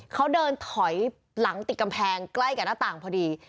เขาเดินถอยหลังติดกำแพงใกล้กับหน้าต่างพอดี